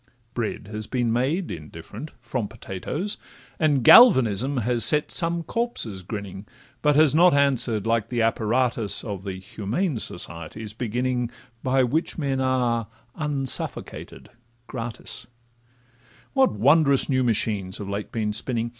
Bread has been made (indifferent) from potatoes; And galvanism has set some corpses grinning, But has not answer'd like the apparatus Of the Humane Society's beginning By which men are unsuffocated gratis: What wondrous new machines have late been spinning!